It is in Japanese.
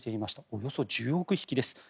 およそ１０億匹です。